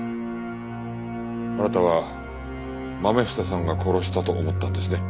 あなたはまめ房さんが殺したと思ったんですね？